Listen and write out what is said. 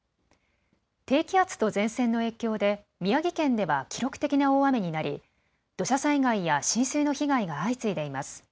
低気圧と前線の影響で宮城県では記録的な大雨になり土砂災害や浸水の被害が相次いでいます。